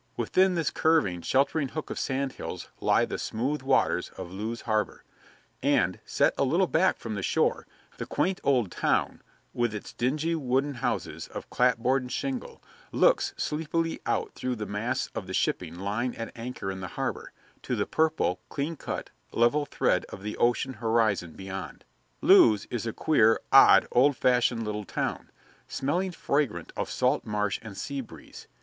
Within this curving, sheltering hook of sand hills lie the smooth waters of Lewes Harbor, and, set a little back from the shore, the quaint old town, with its dingy wooden houses of clapboard and shingle, looks sleepily out through the masts of the shipping lying at anchor in the harbor, to the purple, clean cut, level thread of the ocean horizon beyond. Lewes is a queer, odd, old fashioned little town, smelling fragrant of salt marsh and sea breeze.